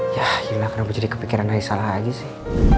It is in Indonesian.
yah gila kenapa jadi kepikiran aisyah lagi sih